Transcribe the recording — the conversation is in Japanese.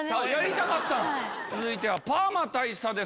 続いてはパーマ大佐です